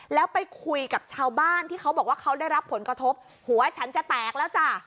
แล้วไปคุยกับชาวบ้านที่เขาบอกว่าเขาได้รับผลกระทบหัวฉันจะแตกแล้วจ้ะ